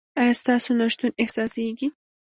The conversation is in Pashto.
ایا ستاسو نشتون احساسیږي؟